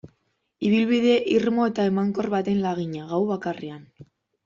Ibilbide irmo eta emankor baten lagina, gau bakarrean.